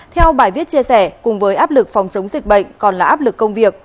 theo bài viết chia sẻ cùng với áp lực phòng chống dịch bệnh còn là áp lực công việc